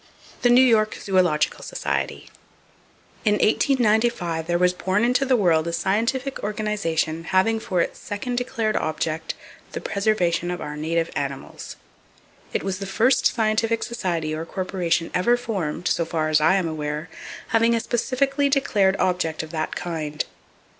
The New York Zoological Society. —In 1895 there was born into the world a scientific organization having for its second declared object "the preservation of our native animals." It was the first scientific society or corporation ever formed, so far as I am aware, having a specifically declared object of that kind.